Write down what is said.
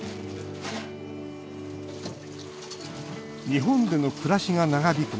日本での暮らしが長引く